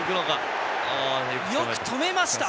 よく止めました。